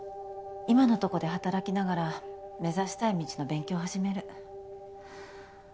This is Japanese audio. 今のとこで働きながら目指したい道の勉強始める。